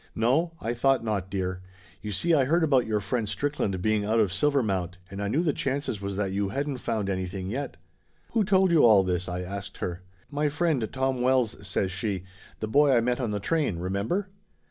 "No? I thought not, dear! You see I heard about your friend Strickland being out of Silver mount, and I knew the chances was that you hadn't found anything yet" "Who told you all this?" I asked her. "My friend, Tom Wells," says she, "The boy I met on the train remember